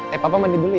eh papa mandi dulu ya